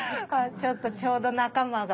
ちょっとちょうど仲間が。